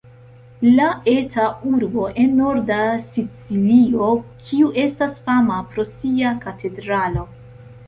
La eta urbo en norda Sicilio kiu estas fama pro sia katedralo.